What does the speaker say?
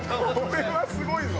これはすごいぞ！